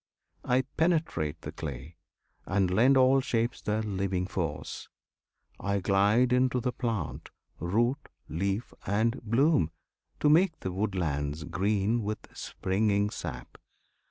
I penetrate the clay, and lend all shapes Their living force; I glide into the plant Root, leaf, and bloom to make the woodlands green With springing sap.